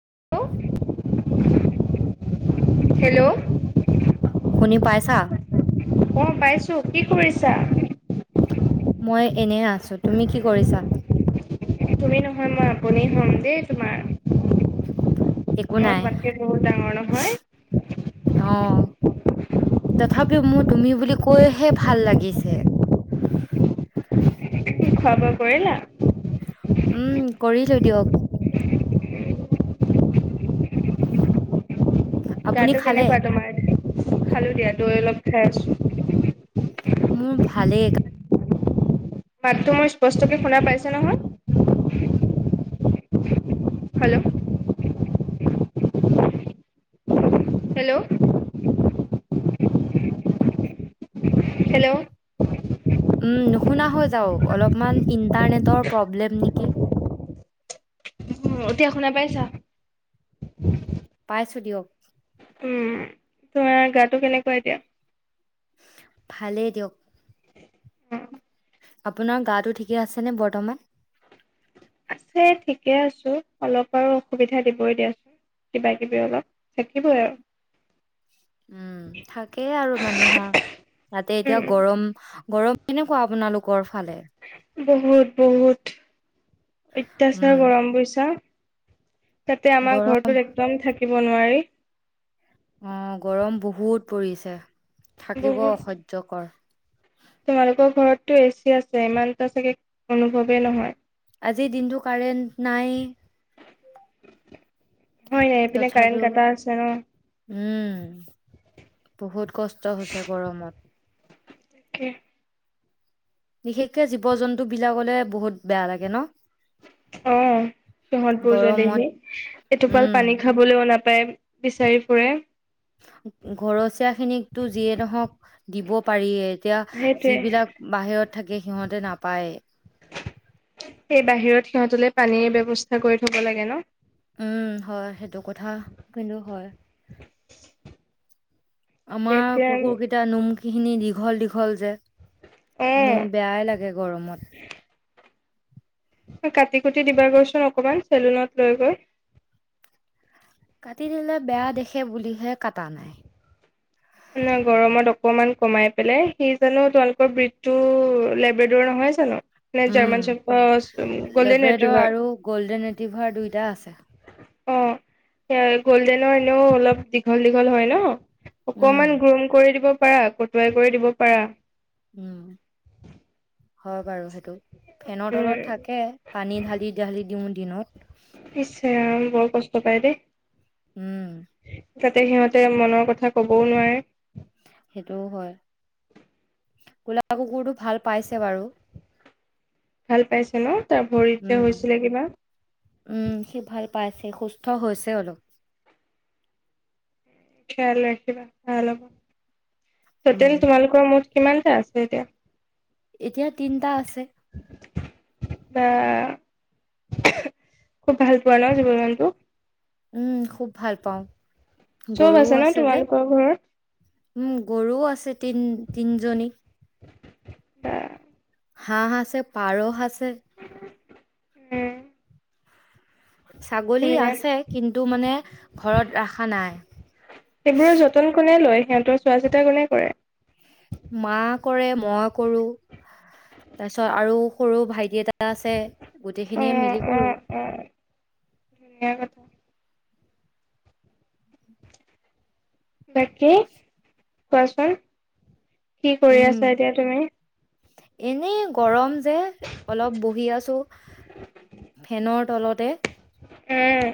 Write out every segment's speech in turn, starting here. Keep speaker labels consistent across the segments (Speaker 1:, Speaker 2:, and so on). Speaker 1: Hello hello
Speaker 2: শুনি পাইছা
Speaker 1: অ পাইছো কি কৰিছা
Speaker 2: মই এনে আছো তুমি কি কৰিছা
Speaker 1: তুমি নহয় মই আপুনি হ'ম দেই তোমাৰ
Speaker 2: একো
Speaker 1: মোৰ
Speaker 2: নাই।
Speaker 1: মাকে বহুত ডাঙৰ নহয়
Speaker 2: অ', তথাপিও মোৰ তুমি বুলি কৈহে ভাল লাগিছে
Speaker 1: খোৱা বোৱা কৰিলা
Speaker 2: উম কৰিলো দিয়ক আপুনি
Speaker 1: গাতটো
Speaker 2: খালে?
Speaker 1: কেনেকুৱা তোমাৰ খালো দিয়া তই অলপ খাই আছো [inaudible]
Speaker 2: মোৰ ভালে গা
Speaker 1: মাতটো মোৰ স্পষ্টকে শুনা পাইছ নহয় হেল্ল' হেল্ল' হেল্ল'
Speaker 2: উ নুশুনা হৈ যাওঁ অলপমান ইণ্টাৰনেটৰ প্ৰব্লেম নেকি
Speaker 1: উম এতিয়া শুনা পাইছা
Speaker 2: পাইছো দিয়ক
Speaker 1: উম তোমাৰ গাতটো কেনেকুৱা এতিয়া
Speaker 2: ভালেই দিয়ক আপোনাৰ গাটো ঠিকে আছে নে বৰ্তমান
Speaker 1: আছে ঠিকে আছো অলপ আৰু অসুবিধা দিবই দিয়াচোন কিবা কিবি অলপ থাকিবই আৰু
Speaker 2: উম থাকেই আৰু মানুহৰ তাতে এতিয়া
Speaker 1: উম
Speaker 2: গৰম গৰম কেনেকুৱা আপোনালোকৰ ফালে
Speaker 1: বহুত বহুত
Speaker 2: উম,
Speaker 1: অত্যাচাৰ গৰম বুজিছা তাতে আমাৰ
Speaker 2: গৰম
Speaker 1: ঘৰৰত একদম থাক থাকিব নোৱাৰি
Speaker 2: অ গৰম বহুত পৰিছে থাকিব
Speaker 1: বহুত
Speaker 2: অসহ্যকৰ
Speaker 1: তোমালোকৰ ঘৰতো এচি আছে ইমানতো চাগে অনুভৱেই নহয়
Speaker 2: আজিৰ দিনটো কাৰেণ্ট নাই
Speaker 1: [inaudible] এইপিনে কাৰেণ্ট
Speaker 2: তথাপিও
Speaker 1: কাটা আছে ন
Speaker 2: উম বহুত কষ্ট হৈছে গৰমত
Speaker 1: তাকে
Speaker 2: বিশেষকে জীৱ জন্তু বিলাকলে বহুত বেয়া লাগে ন
Speaker 1: অ সহত বোৰ যে
Speaker 2: গৰমত
Speaker 1: দেহি এইটোপাল
Speaker 2: উম
Speaker 1: পানী খাবলৈও নাপ পায় বিচাৰি ফুৰে
Speaker 2: ঘৰচীয়া খিনিকো যিয়ে নহক দিব পাৰি এতিয়া
Speaker 1: সেইটোৱে
Speaker 2: যিবিলাক বাহিৰত থাকে সিহঁতে নাপায়
Speaker 1: সেই বাহিৰত সিহঁতলে পানীৰ ব্যৱস্থা কৰি থব লাগে ন
Speaker 2: উম হয় সেইটো কথা কিন্তু হয়
Speaker 1: [unintelligible]
Speaker 2: আমাৰ
Speaker 1: এতিয়া
Speaker 2: কুকুৰ কেইটা নুম খিনি দীঘল দীঘল যে
Speaker 1: অ
Speaker 2: মোৰ বেয়াই লাগে গৰমত
Speaker 1: কাটি কুটি দিবা গৈচোন অকমান চেলুনত লৈ গৈ
Speaker 2: কাটি দিলে বেয়া দেখে বুলিহে কটা নাই
Speaker 1: ন গৰমত অকমান কমাই পেলাই সি জানো তোমালোকৰ বৃতটো লেব্ৰেডৰ নহয় জানো নে
Speaker 2: উম
Speaker 1: জাৰ্মান চেপ গ'ল্ডেন
Speaker 2: লেভ্ৰডৰ
Speaker 1: ৰেট্ৰিভাৰ
Speaker 2: আৰু গল্ডেন ৰেটিভাৰ দুইটা আছে
Speaker 1: অ স গ'ল্ডেনৰ এনেও অলপ দীঘল দীঘল হয় ন
Speaker 2: উম,
Speaker 1: অকমান গ্ৰুম কৰি দিব পাৰা কটুৱাই কৰি দিব পাৰা
Speaker 2: উম, হয় বাৰু সেইটো ফেনৰ
Speaker 1: উম।
Speaker 2: তলত থাকে পানী ঢালি ঢালি দিওঁ দিনত
Speaker 1: নিশ্চয় বৰ কষ্ট পাই দেই
Speaker 2: উম
Speaker 1: যাতে সিহঁতে মনৰ কথা ক'বও নোৱাৰে
Speaker 2: সেইটোও হয় কোলা কুকুৰটো ভাল পাইছে বাৰু
Speaker 1: ভাল পাইছে ন তাৰ ভৰিত যে
Speaker 2: উম,
Speaker 1: হৈছিলে কিবা
Speaker 2: হলো
Speaker 1: খেয়াল ৰাখিবা ভব ত তে
Speaker 2: উম,
Speaker 1: তোমালোকৰ মোৰ কিমানটা আছে এতিয়া
Speaker 2: এতিয়া তিনটা আছে
Speaker 1: বা খুব ভাল পোৱা ন জীৱ জন্তু
Speaker 2: উম খুব ভাল পাওঁ
Speaker 1: চব
Speaker 2: গৰুও
Speaker 1: আছে ন
Speaker 2: যে।
Speaker 1: তোমালোকৰ ঘৰত
Speaker 2: উম গৰুও আছে তিন তিনিজনী
Speaker 1: আহ
Speaker 2: হাঁহ আাছে পাৰ আছে
Speaker 1: উম
Speaker 2: ছাগলী
Speaker 1: ধুনীয়া
Speaker 2: আছে কিন্তু মানে ঘৰত ৰাখা নাই
Speaker 1: সেইবোৰৰ যতন কোনে লয় সিহঁতৰ চোৱা চিতা কোনে কৰে
Speaker 2: মা কৰে মই কৰো তাৰপিছত আৰু সৰু ভাইটি এটা আছে
Speaker 1: উ
Speaker 2: গোটেইখিনিয়ে মিলি কৰো
Speaker 1: উম উম হয় বাকী কোৱাচোন কি কৰি
Speaker 2: উম
Speaker 1: আছা এতিয়া তুমি
Speaker 2: এনেই গৰম যে অলপ বহি আছো ফেনৰ তলতে
Speaker 1: আহ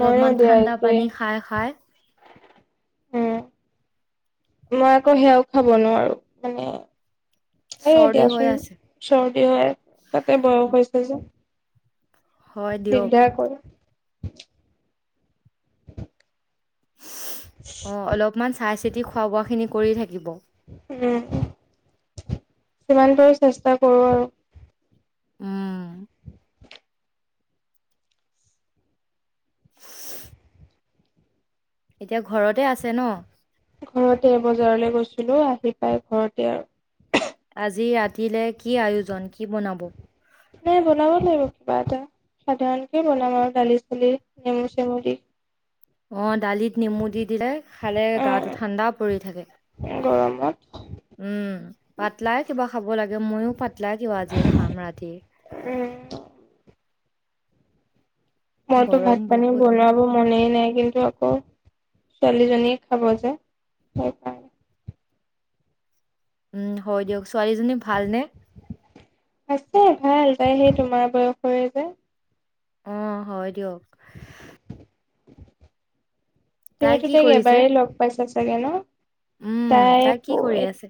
Speaker 1: ময়ো দিয়া
Speaker 2: ঠাণ্ডা
Speaker 1: একেই
Speaker 2: পানী খাই খাই
Speaker 1: উম মই আকৌ সেয়াও খাব নোৱাৰো মানে স
Speaker 2: চৰ্দি হৈ
Speaker 1: দিয়াচোন
Speaker 2: আছে
Speaker 1: চৰ্দি হয় তাতে বয়স হৈছে যে
Speaker 2: হয় দিয়ক
Speaker 1: দিগদাৰ কৰে
Speaker 2: অ অলপমান চাই চিতি খোৱা বোৱা খিনি কৰি থাকে দিব
Speaker 1: উম সিমান পাৰো চেষ্টা কৰো আৰু
Speaker 2: উম
Speaker 1: [unintelligible]
Speaker 2: এতিয়া ঘৰতে আছে ন
Speaker 1: ঘৰতে বজাৰলৈ গৈছিলো আহি পাই ঘৰতে আৰু
Speaker 2: আজি ৰাতিলে কি আয়োজন কি বনাব
Speaker 1: বা এটা সাধাৰণকে বনাম আৰু দালি চালি নেমুৰ চেমু দি
Speaker 2: অ দালিত নেমু দি দিলে খালে গাটো
Speaker 1: উম
Speaker 2: ঠাণ্ডা পৰি থাকে
Speaker 1: গৰমত
Speaker 2: উম পাতলাই কিবা খাব লাগে ময়ও পাতলাই কিবা আজি খাম ৰাতি
Speaker 1: উম মইতো
Speaker 2: গৰম
Speaker 1: ভাত পানী
Speaker 2: বহুত
Speaker 1: বনোৱাব মনেই নাই কিন্তু আকৌ ছোৱালীজনীয়ে খাব যে সেইকাৰণে
Speaker 2: উম হৈ দও ছোৱালীজনী ভালনে
Speaker 1: আছে ভাল যায় সেই তোমাৰ বয়সৰে যে
Speaker 2: অ হয় দিয়ক তাই
Speaker 1: তুমিতো
Speaker 2: কি
Speaker 1: তাইক
Speaker 2: কৰিছে
Speaker 1: এবাৰেই লগ পাইছা চাগে ন
Speaker 2: উম
Speaker 1: তাই
Speaker 2: কি
Speaker 1: প
Speaker 2: কৰি আছে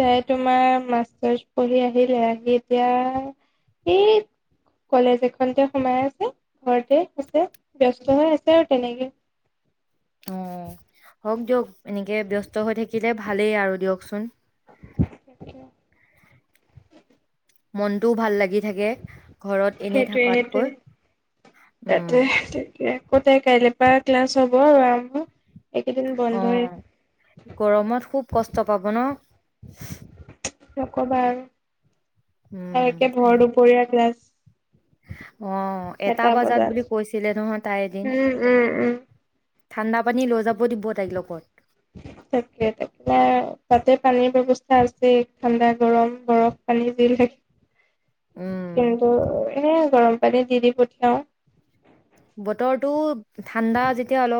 Speaker 1: তাই তোমাৰ মাষ্টাৰছ পঢ়ি আহিলে এতিয়া এই কলেজ এখনতে সোমাই আছে ঘৰতে আছে ব্যস্ত হৈ আছে আৰু তেনেকে
Speaker 2: অ হওক দিয়ক এনেকে ব্যস্ত হৈ থাকিলে ভালেই আৰু দিয়কচোন
Speaker 1: সতিয়া
Speaker 2: মনটোও ভাল লাগি থাকে ঘৰত এনেই
Speaker 1: সেইটোৱে সেইটোৱে
Speaker 2: থকাতকৈ উম
Speaker 1: অ', তাইৰ কাইলেৰ পৰা ক্লাছ হ'ব আৰু এইকেইদিন বন্ধই
Speaker 2: অ' গৰমত খুব কষ্ট পাব ন। [unintelligible]
Speaker 1: নকবা আৰু।
Speaker 2: উম
Speaker 1: সেই একে ভৰ দুপৰীয়াাৰ ক্লাছ।
Speaker 2: অ' এটা বজাত বুলি কৈছিলে নহয় তাই এদিন।
Speaker 1: উম উম উম
Speaker 2: ঠাণ্ডা পানী লৈ যাব দিব তাইক লগত
Speaker 1: তাকে তাকে তাতে পানীৰ ব্যৱস্থা আছে ঠাণ্ডা, গৰম, বৰফ পানী যি লাগে।
Speaker 2: উম
Speaker 1: কিন্তু এ গৰম পানী দি দি পঠিয়াও।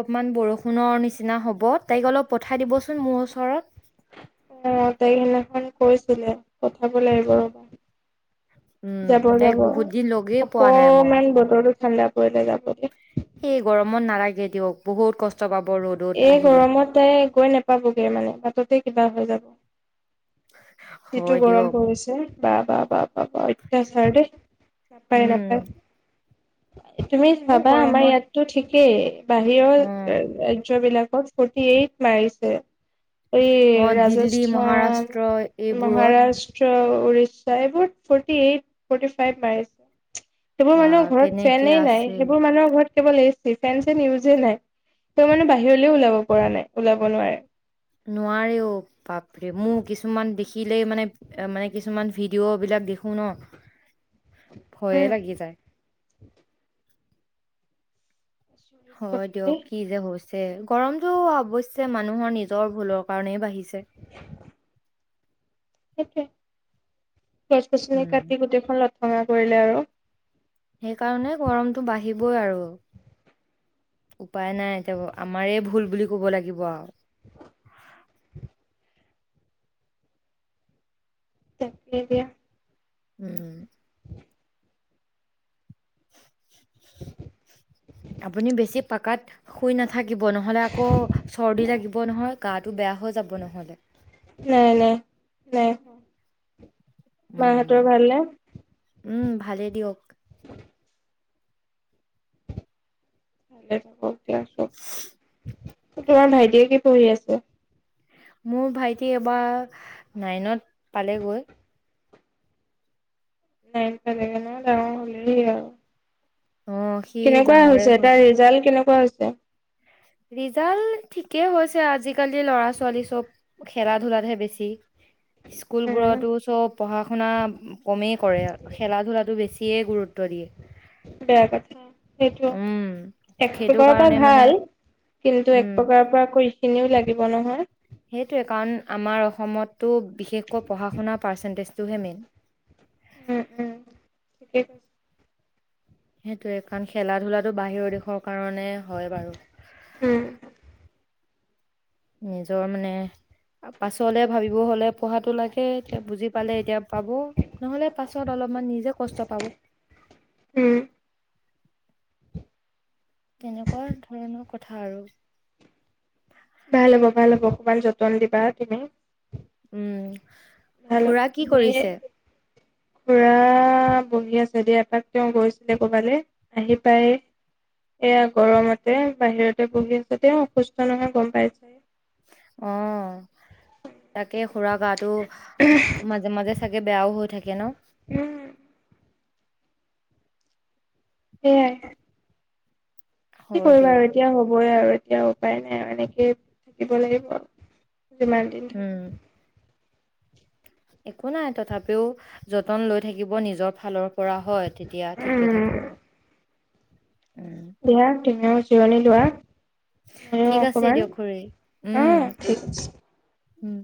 Speaker 2: অকনমান বৰষুণৰ নিচিনা হ'ব তাইক অলপ পঠাই দিবচোন মোৰ ওচৰত।
Speaker 1: অ' তাই সেইদিনাখন কৈছিলে পঠাব লাগিব ৰ'বা।
Speaker 2: উম
Speaker 1: যাব
Speaker 2: তাইক
Speaker 1: যাব
Speaker 2: বহুত দিন লগেই পোৱা নাই মই
Speaker 1: অকনমান বতৰটো ঠাণ্ডা কে যাম [unintelligible]
Speaker 2: এই গৰমত নালাগে দিয়ক বহুত কষ্ট পাব। ৰ'দত
Speaker 1: এই
Speaker 2: আহিলে
Speaker 1: গৰমত তাই গৈ নেপাবগে মানে বাটতে কিবা হৈ যাব। অ'। যিটো
Speaker 2: হয়
Speaker 1: গৰম
Speaker 2: দিয়ক
Speaker 1: পৰিছে। বা, বা, বা। অ', এতিয়া চাৰ নাপায়
Speaker 2: উম
Speaker 1: নাপায়। তুমি
Speaker 2: আৰু
Speaker 1: ভাবা আমাৰ
Speaker 2: গৰমত
Speaker 1: ইয়াতটো ঠিক সেই
Speaker 2: অ
Speaker 1: বাহিৰৰ বিলাকত স্কুটি এই মাৰিছে। এই
Speaker 2: অ দিল্লী
Speaker 1: ৰাজস্থান,
Speaker 2: মহাৰাষ্ট্ৰ এইবোৰত
Speaker 1: মহাৰাষ্ট্ৰ। ওড়িশা এইবোৰ ফ'ৰ্টি ফৰ্টি ফাইভ পাই। সেইবোৰ
Speaker 2: বা
Speaker 1: মানুহৰ ঘৰত
Speaker 2: কেনেকে
Speaker 1: ফেনেই নাই
Speaker 2: আছে
Speaker 1: সেইবোৰ মানুহৰ ঘৰত কেল [unintelligible] নিউজে নাই, ত' মানে বাহ বাহিৰলৈও ওলাব পৰা নাই, ওলাব নোৱাৰে।
Speaker 2: নোৱাৰেও কিলে মানে এ মানে কিছুমান ভিডিঅ' বিলাক দেখো ন'। ভয়ে
Speaker 1: উম।
Speaker 2: লাগি যায়।
Speaker 1: আচৰিত
Speaker 2: হয়
Speaker 1: কথা
Speaker 2: দিয়ক
Speaker 1: দেই
Speaker 2: কি যে হ হৈছ যে গৰমতটো অৱশ্যে মানুহৰ নিজৰ ভুলৰ কাৰণেই বাঢ়িছে।
Speaker 1: [inaudible] তাকে। গছ-গছনি
Speaker 2: উম।
Speaker 1: কাটি গোটেইখন লত ভঙা কৰিলে আৰু।
Speaker 2: সেইকাৰণে গৰমটো বাঢ়িবই আৰু উপায় নাই এতিয়া আমাৰেই ভুল বুলি ক'ব লাগিব আৰু।
Speaker 1: তাকে দিয়া।
Speaker 2: উম। আপুনি বেছি পাকাত শুই নাথাক থাকিব নহ'লে আকৌ চৰ্দি লাগিব নহয় গাটো বেয়া হৈ যাব নহ'লে।
Speaker 1: নাই নাই নাই। মাহঁতৰ
Speaker 2: উম
Speaker 1: ভাল নে।
Speaker 2: উম ভালেই দিয়ক।
Speaker 1: [unintelligible] [unintelligible] ঠিকে আছোঁ। তোমাৰ ভাইটিয়ে কি পঢ়ি আছে।
Speaker 2: মোৰ ভাইটি এবাৰ নাইনত পালেগৈ।
Speaker 1: নাইন পালেগে ন ডাঙৰ হ'লেই আৰু।
Speaker 2: অ সি
Speaker 1: কেনেকুৱা
Speaker 2: ডাঙৰে
Speaker 1: হৈছে এটা
Speaker 2: হ'ল
Speaker 1: ৰিজাল্ট কেনে [unintelligible] হৈছে।
Speaker 2: ৰিজাল্ট ঠিকেই হৈছে আজিকালি ল'ৰা ছোৱালী চব খেলা ধূলাতহে বেছি স্কুল বোৰতো
Speaker 1: উম
Speaker 2: চব পঢ়া শুনা কমেই কৰে, খেলা ধূলাটো বেছি সিয়ে গুৰুত্ব দিয়ে।
Speaker 1: বেয়া কথা সেইটো,
Speaker 2: উম
Speaker 1: এক
Speaker 2: সেইটো
Speaker 1: প্ৰকাৰৰ পৰা
Speaker 2: কাৰণে মানে
Speaker 1: ভাল। কিন্তু এক
Speaker 2: উম
Speaker 1: প্ৰকাৰৰ পৰা কৰি খিনিও লাগে কিব নহয়।
Speaker 2: সেইটোৱে কাৰণ আমাৰ অসমতটো বিশেষকৈ পঢ়া শুনাৰ পাৰ্চেন্টেজ তুহে মেইন।
Speaker 1: উম উম ঠিকেই
Speaker 2: সেইটোয়ে কাৰণ খেলা ধূলাটো বাহিৰৰ দেশৰ কাৰণে হয় বাৰু।
Speaker 1: উম
Speaker 2: নিজৰ মানে পাছলে ভাবিব হ'লে পঢ়াটো লাগে এতিয়া বুজি পালে এতিয়া পাব নহলে পাছত অলপমান নিজে কষ্ট পাব [inaudible]
Speaker 1: উম
Speaker 2: তেনেকুৱা ধৰণৰ কথা আৰু [inaudible]
Speaker 1: ভাল হ'ব ভাল হ'ব অকমান যতন দিবা তুমি।
Speaker 2: উম।
Speaker 1: ভাল হ'ব
Speaker 2: খুৰা কি
Speaker 1: এই
Speaker 2: কৰিছে?
Speaker 1: খুৰা বহি আছে দিয় এপাক তেওঁ গৈছিলে কবালৈ আহি পায় এয়া গৰমতে বাহিৰতে বহি আছে তেওঁ অসুস্থ নহয় গম পাইছে
Speaker 2: অ', তাকে খুৰা গাটো মাজে মাজে চাগে বেয়াও হৈ থাকে। কেনো
Speaker 1: উম। সেয়াই। কি
Speaker 2: হয়
Speaker 1: কৰিম আৰু
Speaker 2: দিয়ক
Speaker 1: এতিয়া হ'বই আৰু। এতিয়া উপায় নাই আৰু এনেকেই থাকিব লাগিব যিমান দিন
Speaker 2: উম
Speaker 1: থাকো
Speaker 2: একো নাই তথাপিও যতন লৈ থাকিব নিজৰ ফালৰ কৰা হয় তেতিয়া ঠিকে থাকিব। উম
Speaker 1: বিয় তিনে জিৰণী লোৱা। ময়ো
Speaker 2: ঠিক আছে
Speaker 1: অকমান
Speaker 2: দিয়ক খৰি
Speaker 1: অ
Speaker 2: উম
Speaker 1: ঠিক আছে
Speaker 2: [inaudible] উম